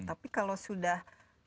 tapi kalau sudah